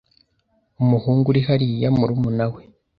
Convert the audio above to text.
Umuhungu uri hariya murumuna we.